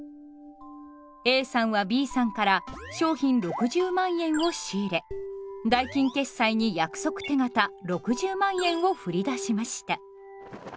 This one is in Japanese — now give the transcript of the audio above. ＡさんはＢさんから商品６０万円を仕入れ代金決済に約束手形６０万円を振り出しました。